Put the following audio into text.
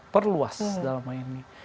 perluas dalam hal ini